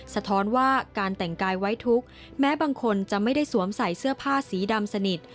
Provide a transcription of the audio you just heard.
สะท้อนว่าการแต่งกายไว้ทุกข์แม้บางคนจะไม่ได้สวมใส่เสื้อผ้าสีดำสนิท